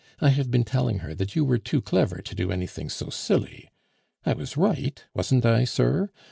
I have been telling her that you were too clever to do anything so silly. I was right, wasn't I, sir?